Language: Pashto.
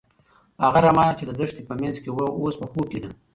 هغه رمه چې د دښتې په منځ کې وه، اوس په خوب کې ده.